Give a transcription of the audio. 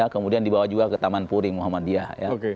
kemudian dibawa juga ke taman puring muhammadiyah ya